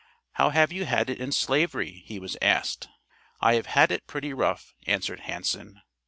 "How have you had it in slavery?" he was asked. "I have had it pretty rough," answered Hanson.